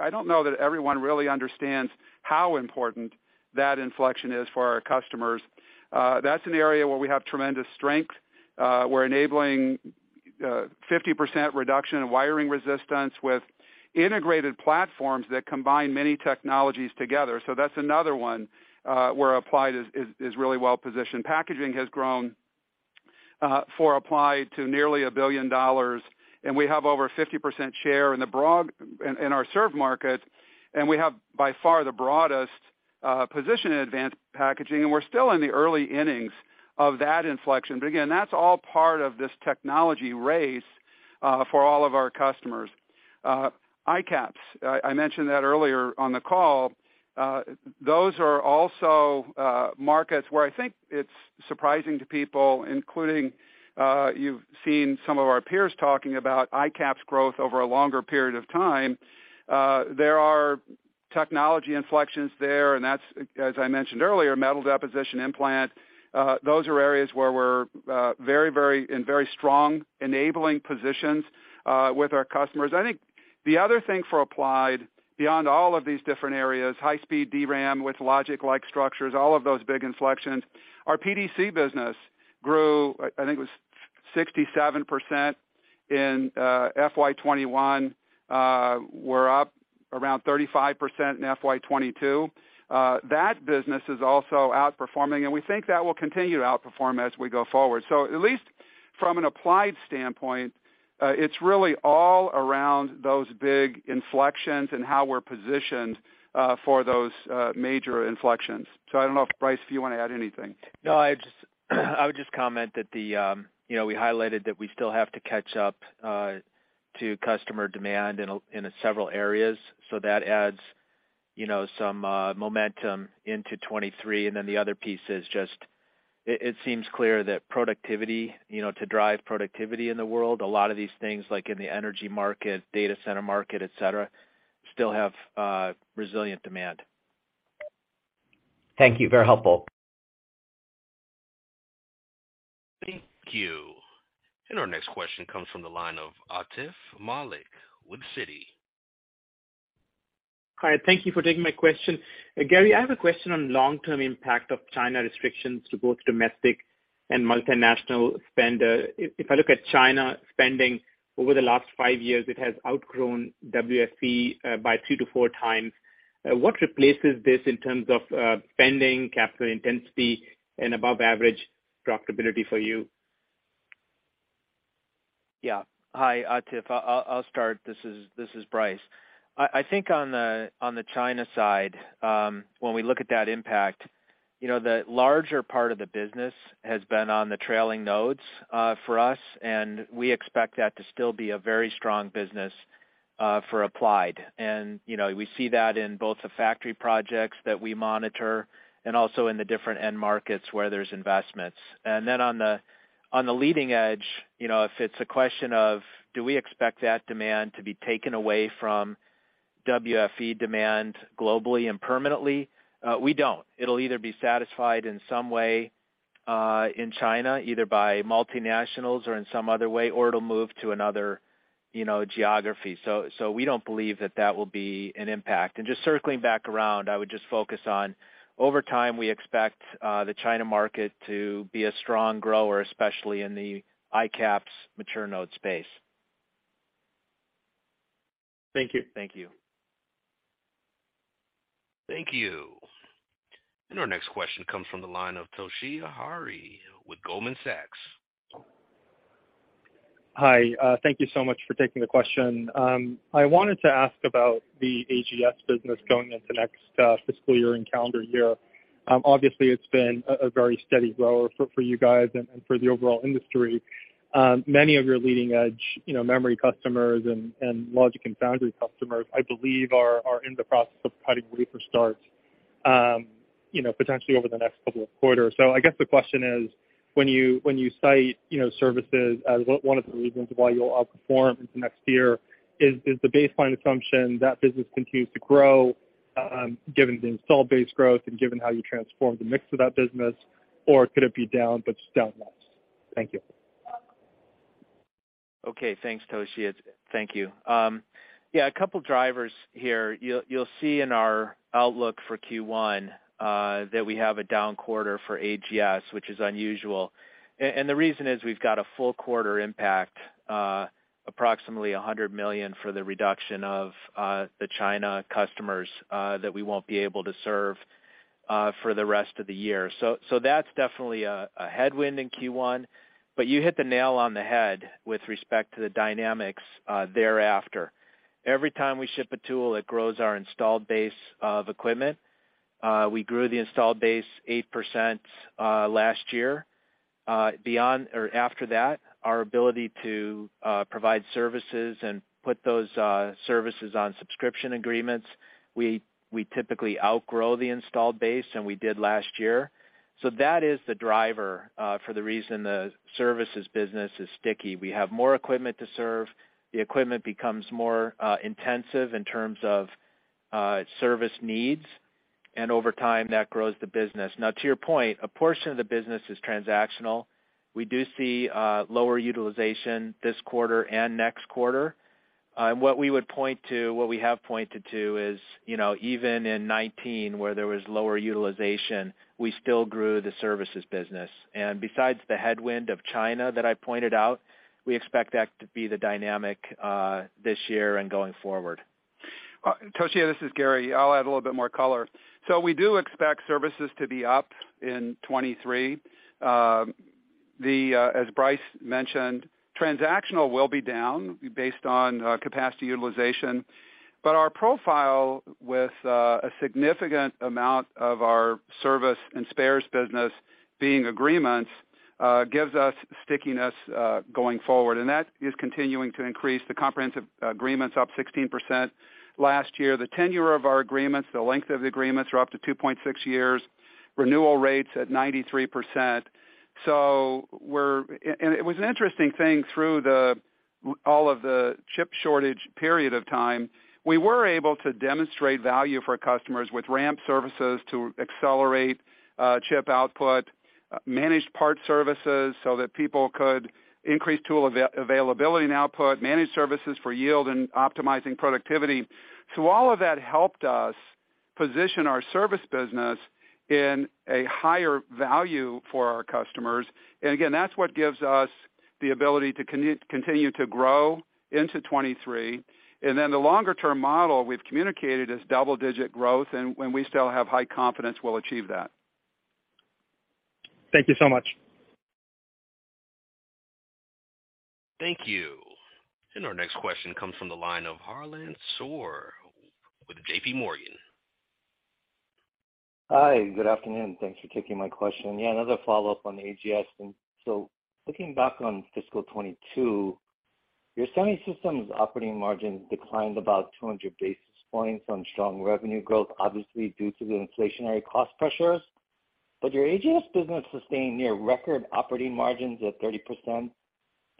I don't know that everyone really understands how important that inflection is for our customers. That's an area where we have tremendous strength. We're enabling 50% reduction in wiring resistance with integrated platforms that combine many technologies together. That's another one where Applied is really well positioned. Packaging has grown for Applied to nearly $1 billion, and we have over 50% share in our served market, and we have by far the broadest position in advanced packaging, and we're still in the early innings of that inflection. Again, that's all part of this technology race for all of our customers. ICAPS, I mentioned that earlier on the call. Those are also markets where I think it's surprising to people, including you've seen some of our peers talking about ICAPS growth over a longer period of time. There are technology inflections there, and that's, as I mentioned earlier, metal deposition, implant. Those are areas where we're in very strong enabling positions with our customers. I think the other thing for Applied beyond all of these different areas, high-speed DRAM with logic-like structures, all of those big inflections, our PDC business grew. I think it was 67% in FY 2021. We're up around 35% in FY 2022. That business is also outperforming, and we think that will continue to outperform as we go forward. At least from an Applied standpoint, it's really all around those big inflections and how we're positioned for those major inflections. I don't know, Brice, if you want to add anything. No, I would just comment that, you know, we highlighted that we still have to catch up to customer demand in several areas. That adds, you know, some momentum into 2023. The other piece is just, it seems clear that productivity, you know, to drive productivity in the world, a lot of these things like in the energy market, data center market, et cetera, still have resilient demand. Thank you. Very helpful. Thank you. Our next question comes from the line of Atif Malik with Citi. Hi, thank you for taking my question. Gary, I have a question on long-term impact of China restrictions to both domestic and multinational spend. If I look at China spending over the last five years, it has outgrown WFE by two to four times. What replaces this in terms of spending, capital intensity, and above-average profitability for you? Yeah. Hi, Atif. I'll start. This is Brice. I think on the China side, when we look at that impact, you know, the larger part of the business has been on the trailing nodes for us, and we expect that to still be a very strong business for Applied. You know, we see that in both the factory projects that we monitor and also in the different end markets where there's investments. On the leading edge, you know, if it's a question of do we expect that demand to be taken away from WFE demand globally and permanently, we don't. It'll either be satisfied in some way in China, either by multinationals or in some other way, or it'll move to another, you know, geography. We don't believe that that will be an impact. Just circling back around, I would just focus on, over time, we expect the China market to be a strong grower, especially in the ICAPS mature node space. Thank you. Thank you. Thank you. Our next question comes from the line of Toshiya Hari with Goldman Sachs. Hi, thank you so much for taking the question. I wanted to ask about the AGS business going into next fiscal year and calendar year. Obviously, it's been a very steady grower for you guys and for the overall industry. Many of your leading-edge, you know, memory customers and logic and foundry customers, I believe are in the process of cutting wafer starts, you know, potentially over the next couple of quarters. I guess the question is, when you cite, you know, services as one of the reasons why you'll outperform into next year, is the baseline assumption that business continues to grow, given the installed base growth and given how you transform the mix of that business, or could it be down, but just down less? Thank you. Okay. Thanks, Toshiya. Thank you. Yeah, a couple drivers here. You'll see in our outlook for Q1 that we have a down quarter for AGS, which is unusual. The reason is we've got a full quarter impact, approximately $100 million for the reduction of the China customers that we won't be able to serve for the rest of the year. That's definitely a headwind in Q1, but you hit the nail on the head with respect to the dynamics thereafter. Every time we ship a tool, it grows our installed base of equipment. We grew the installed base 8% last year. Beyond or after that, our ability to provide services and put those services on subscription agreements, we typically outgrow the installed base, and we did last year. That is the driver for the reason the services business is sticky. We have more equipment to serve. The equipment becomes more intensive in terms of service needs, and over time, that grows the business. Now, to your point, a portion of the business is transactional. We do see lower utilization this quarter and next quarter. What we have pointed to is, you know, even in 2019, where there was lower utilization, we still grew the services business. Besides the headwind of China that I pointed out, we expect that to be the dynamic this year and going forward. Toshiya, this is Gary. I'll add a little bit more color. We do expect services to be up in 2023. As Brice mentioned, transactional will be down based on capacity utilization. Our profile with a significant amount of our service and spares business being agreements gives us stickiness going forward, and that is continuing to increase. The comprehensive agreement's up 16% last year. The tenure of our agreements, the length of the agreements are up to 2.6 years, renewal rates at 93%. It was an interesting thing through all of the chip shortage period of time, we were able to demonstrate value for customers with ramp services to accelerate chip output, managed part services so that people could increase tool availability and output, managed services for yield and optimizing productivity. All of that helped us. Position our service business in a higher value for our customers. Again, that's what gives us the ability to continue to grow into 2023. The longer-term model we've communicated is double-digit growth, and we still have high confidence we'll achieve that. Thank you so much. Thank you. Our next question comes from the line of Harlan Sur with JPMorgan. Hi, good afternoon. Thanks for taking my question. Yeah, another follow-up on AGS. Looking back on fiscal 2022, your Semi Systems operating margin declined about 200 basis points on strong revenue growth, obviously due to the inflationary cost pressures. Your AGS business sustained near-record operating margins of 30%.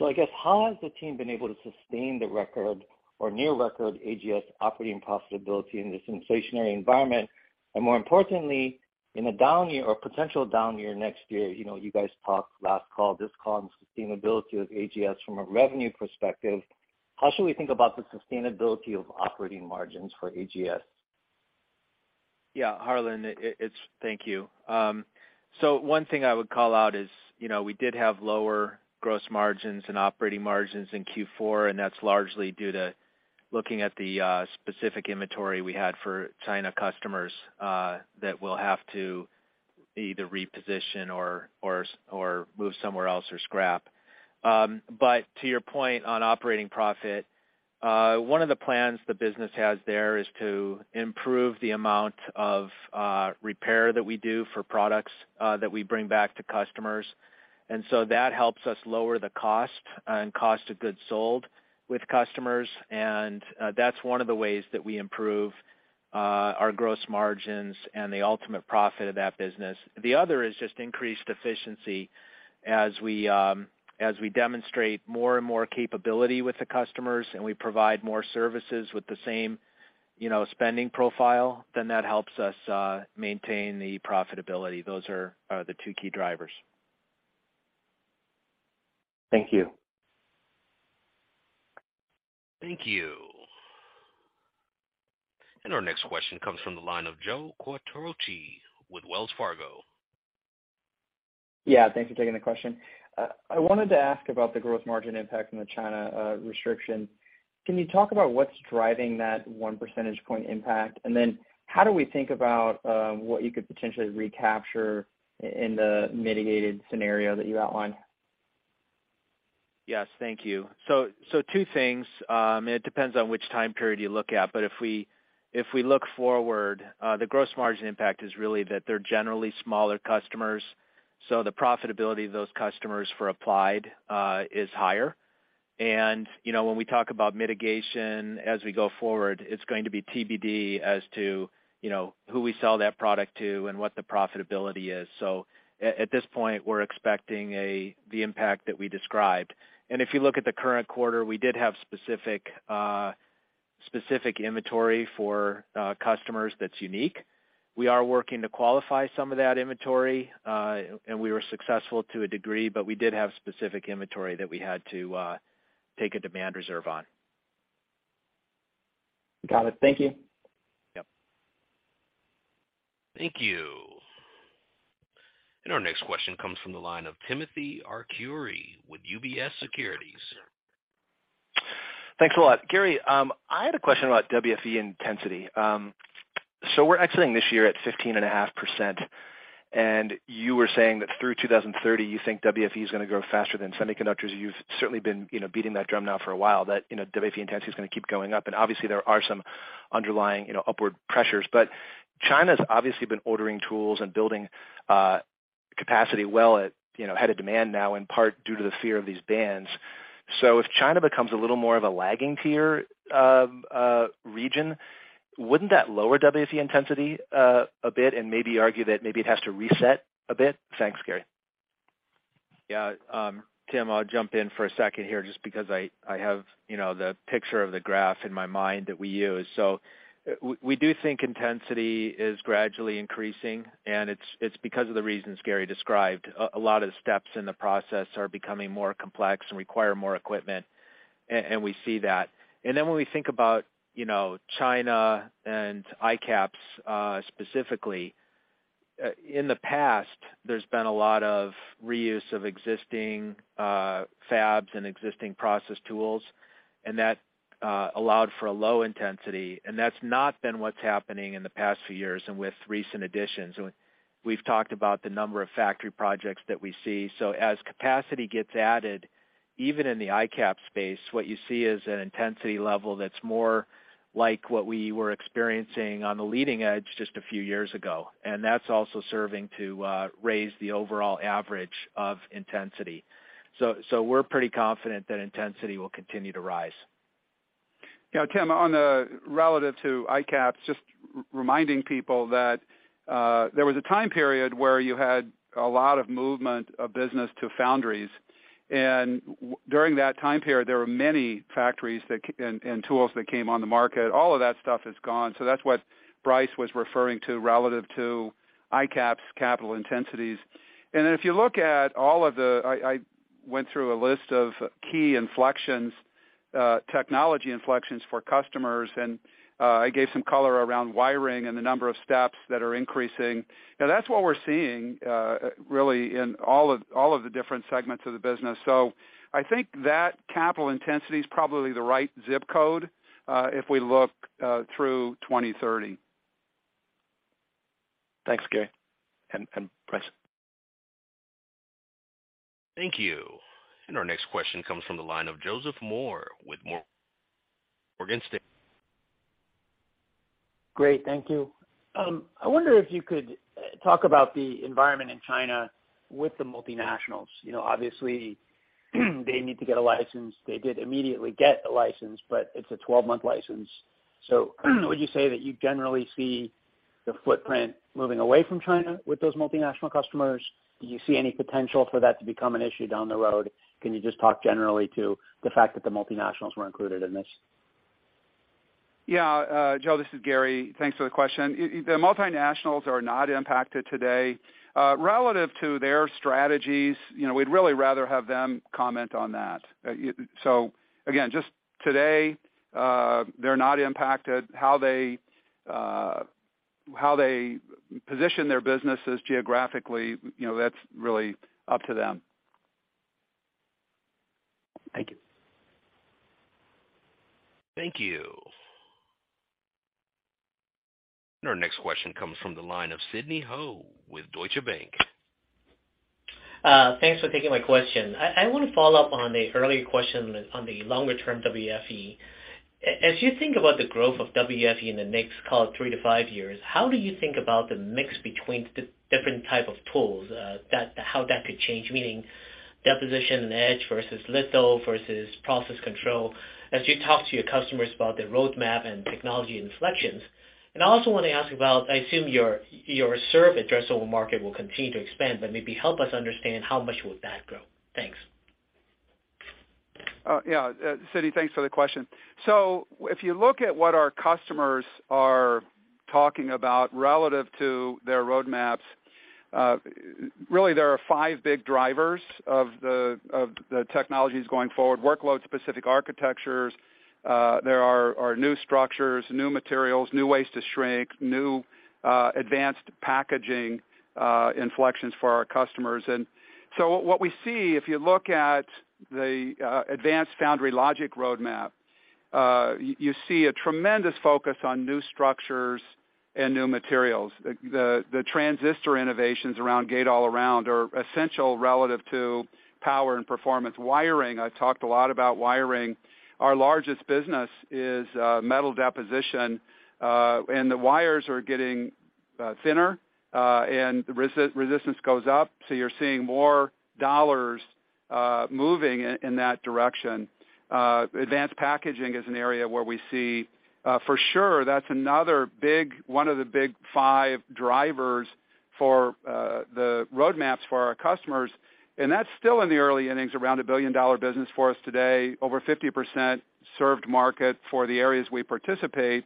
I guess how has the team been able to sustain the record or near-record AGS operating profitability in this inflationary environment? More importantly, in a down year or potential down year next year, you know, you guys talked last call, this call on sustainability of AGS from a revenue perspective, how should we think about the sustainability of operating margins for AGS? Yeah, Harlan, thank you. One thing I would call out is, you know, we did have lower gross margins and operating margins in Q4, and that's largely due to looking at the specific inventory we had for China customers that we'll have to either reposition or move somewhere else or scrap. To your point on operating profit, one of the plans the business has there is to improve the amount of repair that we do for products that we bring back to customers. That helps us lower the cost and cost of goods sold with customers. That's one of the ways that we improve our gross margins and the ultimate profit of that business. The other is just increased efficiency as we demonstrate more and more capability with the customers and we provide more services with the same, you know, spending profile, then that helps us maintain the profitability. Those are the two key drivers. Thank you. Thank you. Our next question comes from the line of Joe Quatrochi with Wells Fargo. Yeah, thanks for taking the question. I wanted to ask about the gross margin impact from the China restriction. Can you talk about what's driving that one percentage point impact? How do we think about what you could potentially recapture in the mitigated scenario that you outlined? Yes, thank you. Two things. It depends on which time period you look at, but if we look forward, the gross margin impact is really that they're generally smaller customers, so the profitability of those customers for Applied is higher. You know, when we talk about mitigation as we go forward, it's going to be TBD as to, you know, who we sell that product to and what the profitability is. At this point, we're expecting the impact that we described. If you look at the current quarter, we did have specific inventory for customers that's unique. We are working to qualify some of that inventory, and we were successful to a degree, but we did have specific inventory that we had to take a demand reserve on. Got it. Thank you. Yep. Thank you. Our next question comes from the line of Timothy Arcuri with UBS Securities. Thanks a lot. Gary, um, I had a question about WFE intensity. Um, so we're exiting this year at fifteen and a half percent, and you were saying that through two thousand and thirty, you think WFE is gonna grow faster than semiconductors. You've certainly been, you know, beating that drum now for a while, that, you know, WFE intensity is gonna keep going up. And obviously there are some underlying, you know, upward pressures. But China's obviously been ordering tools and building, uh, capacity well at, you know, ahead of demand now, in part due to the fear of these bans. So if China becomes a little more of a lagging tier, um, uh, region, wouldn't that lower WFE intensity, uh, a bit and maybe argue that maybe it has to reset a bit? Thanks, Gary. Yeah. Tim, I'll jump in for a second here just because I have, you know, the picture of the graph in my mind that we use. We do think intensity is gradually increasing, and it's because of the reasons Gary described. A lot of the steps in the process are becoming more complex and require more equipment. We see that. When we think about, you know, China and ICAPS specifically, in the past, there's been a lot of reuse of existing fabs and existing process tools, and that allowed for a low intensity. That's not been what's happening in the past few years and with recent additions. We've talked about the number of factory projects that we see. As capacity gets added, even in the ICAPS space, what you see is an intensity level that's more like what we were experiencing on the leading edge just a few years ago, and that's also serving to raise the overall average of intensity. We're pretty confident that intensity will continue to rise. Yeah, Tim, relative to ICAPS, just reminding people that there was a time period where you had a lot of movement of business to foundries. During that time period, there were many factories and tools that came on the market. All of that stuff is gone. That's what Brice was referring to relative to ICAPS capital intensities. Went through a list of key inflections, technology inflections for customers, and I gave some color around wiring and the number of steps that are increasing. Now, that's what we're seeing, really in all of the different segments of the business. I think that capital intensity is probably the right ZIP code, if we look through 2030. Thanks, Gary, and Brice. Thank you. Our next question comes from the line of Joseph Moore with Morgan Stanley. Great, thank you. I wonder if you could talk about the environment in China with the multinationals. You know, obviously, they need to get a license. They did immediately get a license, but it's a 12-month license. Would you say that you generally see the footprint moving away from China with those multinational customers? Do you see any potential for that to become an issue down the road? Can you just talk generally to the fact that the multinationals weren't included in this? Yeah. Joe, this is Gary. Thanks for the question. The multinationals are not impacted today. Relative to their strategies, you know, we'd really rather have them comment on that. Again, just today, they're not impacted. How they position their businesses geographically, you know, that's really up to them. Thank you. Thank you. Our next question comes from the line of Sidney Ho with Deutsche Bank. Thanks for taking my question. I want to follow up on an earlier question on the longer-term WFE. As you think about the growth of WFE in the next, call it, 3-5 years, how do you think about the mix between different type of tools, how that could change, meaning deposition etch versus litho versus process control as you talk to your customers about their roadmap and technology inflections? I also want to ask about, I assume your served addressable market will continue to expand, but maybe help us understand how much would that grow. Thanks. Yeah. Sidney, thanks for the question. If you look at what our customers are talking about relative to their roadmaps, really there are five big drivers of the technologies going forward. Workload-specific architectures, there are new structures, new materials, new ways to shrink, new advanced packaging inflections for our customers. What we see, if you look at the advanced foundry logic roadmap, you see a tremendous focus on new structures and new materials. The transistor innovations around Gate-All-Around are essential relative to power and performance wiring. I've talked a lot about wiring. Our largest business is metal deposition, and the wires are getting thinner, and resistance goes up, so you're seeing more dollars moving in that direction. Advanced packaging is an area where we see. For sure that's another big, one of the big five drivers for the roadmaps for our customers, and that's still in the early innings, around a billion-dollar business for us today, over 50% served market for the areas we participate.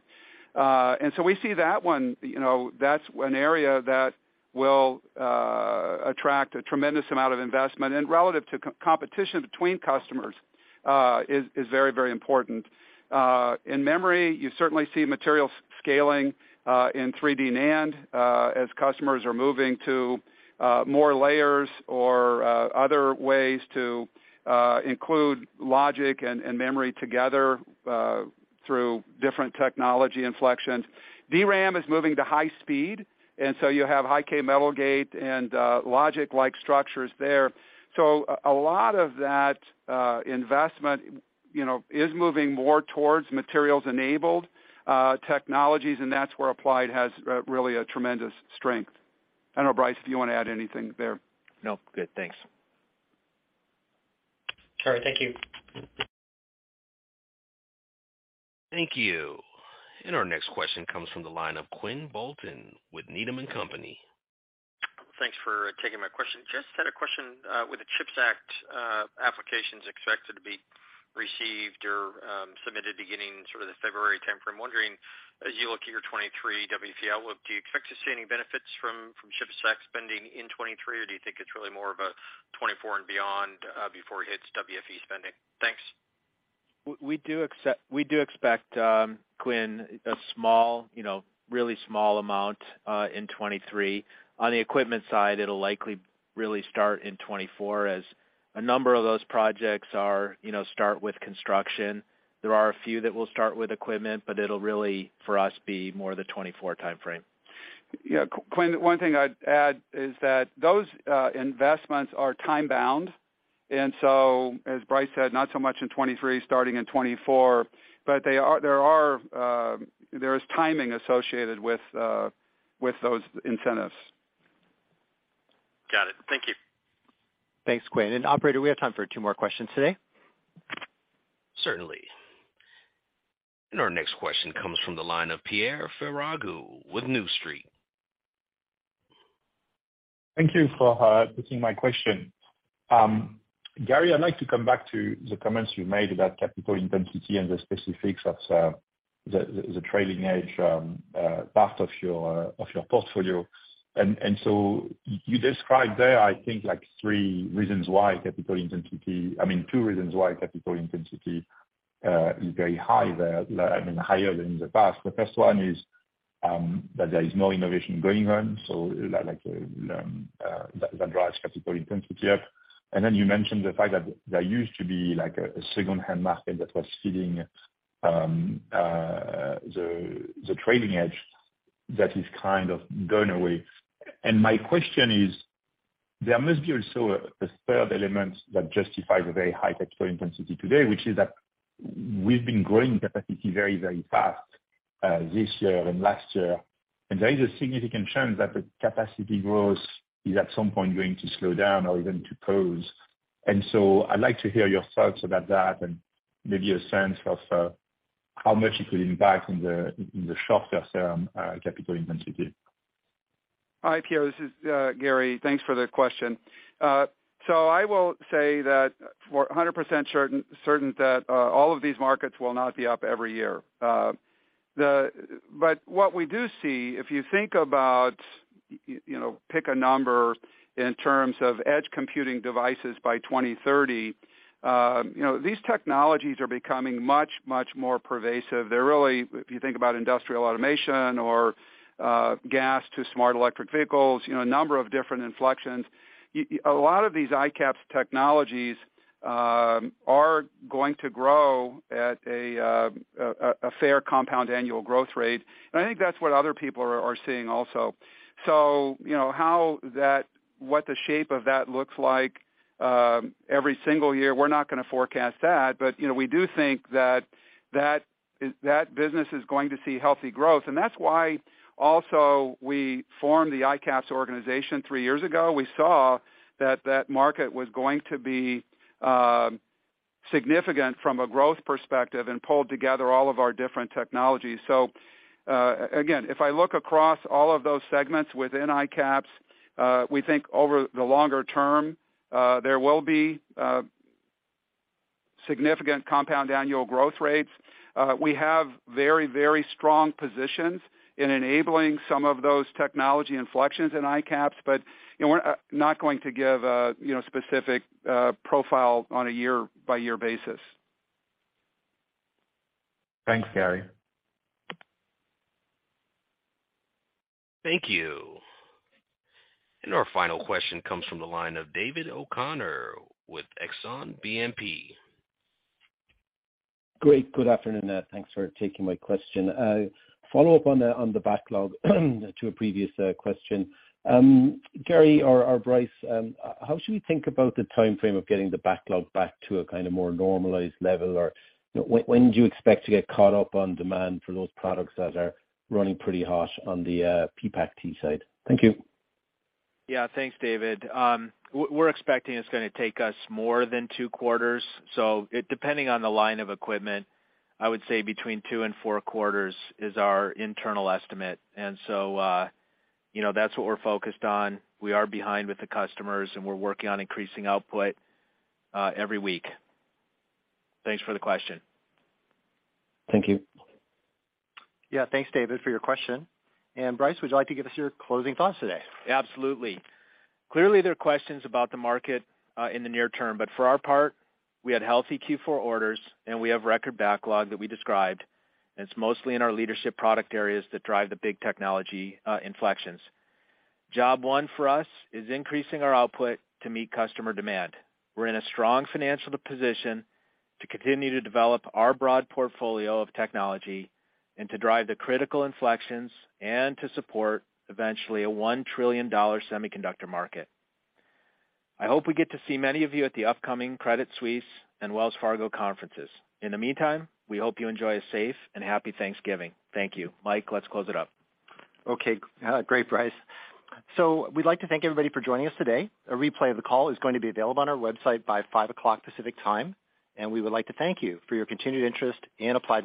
We see that one, you know, that's an area that will attract a tremendous amount of investment, and relative to competition between customers, is very, very important. In memory, you certainly see material scaling in 3D NAND as customers are moving to more layers or other ways to include logic and memory together through different technology inflections. DRAM is moving to high speed, and so you have High-k/Metal Gate and logic-like structures there. A lot of that investment, you know, is moving more towards materials-enabled technologies, and that's where Applied has really a tremendous strength. I don't know, Brice, do you want to add anything there? No. Good. Thanks. All right. Thank you. Thank you. Our next question comes from the line of Quinn Bolton with Needham & Company. Thanks for taking my question. Just had a question with the CHIPS Act applications expected to be received or submitted beginning sort of this February timeframe, wondering as you look at your 2023 WFE outlook, do you expect to see any benefits from CHIPS Act spending in 2023, or do you think it's really more of a 2024 and beyond before it hits WFE spending? Thanks. We do expect, Quinn, a small, you know, really small amount in 2023. On the equipment side, it'll likely really start in 2024, as a number of those projects, you know, start with construction. There are a few that will start with equipment, but it'll really, for us, be more the 2024 timeframe. Yeah, Quinn, one thing I'd add is that those investments are time-bound, and so, as Brice said, not so much in 2023, starting in 2024, there is timing associated with those incentives. Got it. Thank you. Thanks, Quinn. Operator, we have time for two more questions today. Certainly. Our next question comes from the line of Pierre Ferragu with New Street. Thank you for taking my question. Gary, I'd like to come back to the comments you made about capital intensity and the specifics of the trailing edge part of your portfolio. You described there, I think, like three reasons why capital intensity, I mean, two reasons why capital intensity is very high there, I mean, higher than in the past. The first one is that there is no innovation going on, so like that drives capital intensity up. You mentioned the fact that there used to be like a secondhand market that was feeding the trailing edge that is kind of going away. My question is, there must be also a third element that justifies a very high capital intensity today, which is that we've been growing capacity very fast this year and last year. There is a significant trend that the capacity growth is at some point going to slow down or even to pause. I'd like to hear your thoughts about that and maybe a sense of how much it will impact, in the shorter term, capital intensity. Hi, Pierre, this is Gary. Thanks for the question. I will say that we're 100% certain that all of these markets will not be up every year. What we do see, if you think about, you know, pick a number in terms of edge computing devices by 2030, you know, these technologies are becoming much more pervasive. They're really, if you think about industrial automation or gas to smart electric vehicles, you know, a number of different inflections. A lot of these ICAPS technologies are going to grow at a fair compound annual growth rate. I think that's what other people are seeing also. You know, what the shape of that looks like every single year, we're not gonna forecast that. You know, we do think that business is going to see healthy growth. That's why also we formed the ICAPS organization three years ago. We saw that that market was going to be significant from a growth perspective and pulled together all of our different technologies. Again, if I look across all of those segments within ICAPS, we think over the longer term, there will be significant compound annual growth rates. We have very, very strong positions in enabling some of those technology inflections in ICAPS, but, you know, we're not going to give a, you know, specific profile on a year-by-year basis. Thanks, Gary. Thank you. Our final question comes from the line of David O'Connor with Exane BNP Paribas. Great. Good afternoon. Thanks for taking my question. Follow-up on the backlog to a previous question. Gary or Brice, how should we think about the timeframe of getting the backlog back to a kind of more normalized level? You know, when do you expect to get caught up on demand for those products that are running pretty hot on the PPACt side? Thank you. Yeah. Thanks, David. We're expecting it's gonna take us more than two quarters. Depending on the line of equipment, I would say between two and four quarters is our internal estimate. You know, that's what we're focused on. We are behind with the customers, and we're working on increasing output every week. Thanks for the question. Thank you. Yeah. Thanks, David, for your question. Brice, would you like to give us your closing thoughts today? Absolutely. Clearly, there are questions about the market in the near term, but for our part, we had healthy Q4 orders, and we have record backlog that we described, and it's mostly in our leadership product areas that drive the big technology inflections. Job one for us is increasing our output to meet customer demand. We're in a strong financial position to continue to develop our broad portfolio of technology and to drive the critical inflections and to support eventually a one trillion dollar semiconductor market. I hope we get to see many of you at the upcoming Credit Suisse and Wells Fargo conferences. In the meantime, we hope you enjoy a safe and happy Thanksgiving. Thank you. Mike, let's close it up. Okay. Uh, great, Brice. So we'd like to thank everybody for joining us today. A replay of the call is going to be available on our website by five o'clock Pacific Time, and we would like to thank you for your continued interest in Applied Materials.